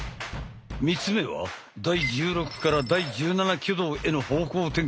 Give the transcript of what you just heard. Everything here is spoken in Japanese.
３つ目は第１６から第１７挙動への方向転換。